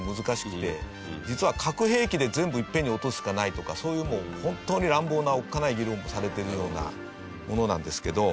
実は核兵器で全部いっぺんに落とすしかないとかそういうホントに乱暴なおっかない議論もされてるようなものなんですけど。